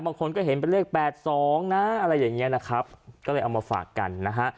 บางคนก็เห็นเป็นเลข๘๒นะอะไรอย่างเงี้ยนะครับก็เลยเอามาฝากกันนะฮะ